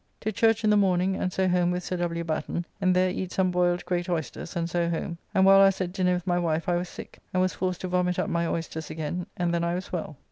To church in the morning, and so home with Sir W. Batten, and there eat some boiled great oysters, and so home, and while I was at dinner with my wife I was sick, and was forced to vomit up my oysters again, and then I was well.